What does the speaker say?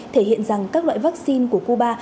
thể hiện rằng các loại vaccine của cuba